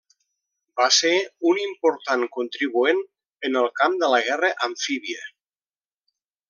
Va ser un important contribuent en el camp de la guerra amfíbia.